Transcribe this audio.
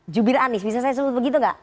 jubir anies bisa saya sebut begitu nggak